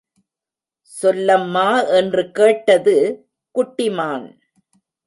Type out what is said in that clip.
சொல்லம்மா என்று கேட்டது குட்டி மான்.